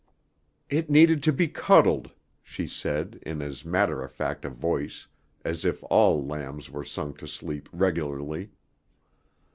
"It needed to be cuddled," she said in as matter of fact a voice as if all lambs were sung to sleep regularly.